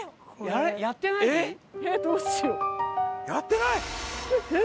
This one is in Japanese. やってない？